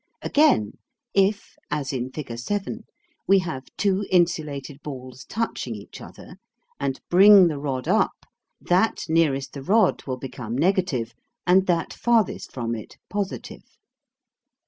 Again, if, as in figure 7, we have two insulated balls touching each other, and bring the rod up, that nearest the rod will become negative and that farthest from it positive.